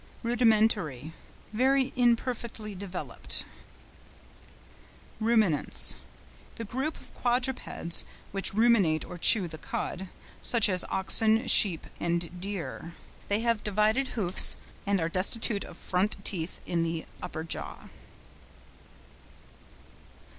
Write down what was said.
RUDIMENTARY.—Very imperfectly developed. RUMINANTS.—The group of quadrupeds which ruminate or chew the cud, such as oxen, sheep, and deer. They have divided hoofs, and are destitute of front teeth in the upper jaw.